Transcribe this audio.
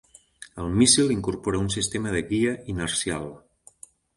El míssil incorpora un sistema de guia inercial.